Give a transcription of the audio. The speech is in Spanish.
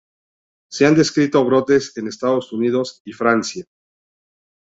Se han descrito brotes en Estados Unidos y Francia.